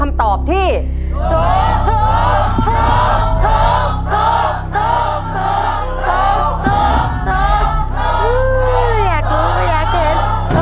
อยากรู้อยากเห็น